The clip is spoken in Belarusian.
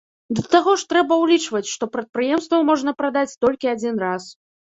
Да таго ж трэба ўлічваць, што прадпрыемства можна прадаць толькі адзін раз.